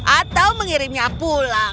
atau mengirimnya pulang